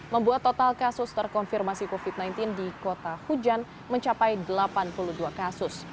membuat total kasus terkonfirmasi covid sembilan belas di kota hujan mencapai delapan puluh dua kasus